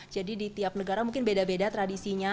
jadi di tiap negara mungkin beda beda tradisinya